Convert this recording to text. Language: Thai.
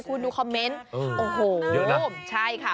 คุณดูคอมเมนต์โอ้โหโยมใช่ค่ะ